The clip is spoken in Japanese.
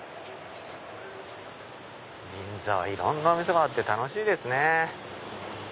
銀座はいろんなお店があって楽しいですね。